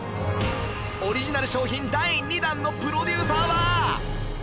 オリジナル商品第２弾のプロデューサーは？